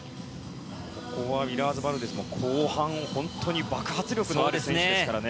ここはウィラーズバルデズも後半、本当に爆発力のある選手ですからね。